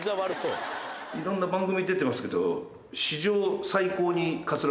いろんな番組出てますけど。